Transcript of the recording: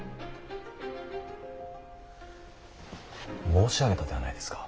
申し上げたではないですか。